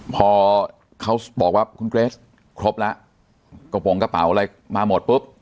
พอเขาบอกว่าคุณเกรสครบแล้วกระโปรงกระเป๋าอะไรมาหมดปุ๊บ